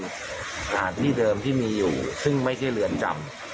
สถานที่เดิมที่มีอยู่ซึ่งไม่ใช่เรือนจำ